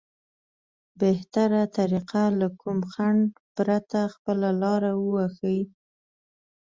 بهتره طريقه له کوم خنډ پرته خپله لاره ووهي.